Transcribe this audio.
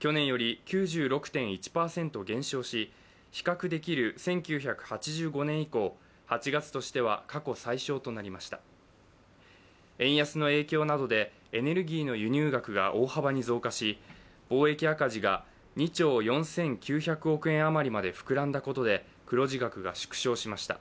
去年より９６．１％減少し、比較できる１９８５年以降、８月としては過去最少となりました円安の影響などでエネルギーの輸入額が大幅に増加し貿易赤字が２兆４９００億円余りまで膨らんだことで黒字額が縮小しました。